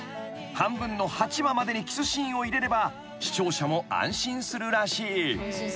［半分の８話までにキスシーンを入れれば視聴者も安心するらしい］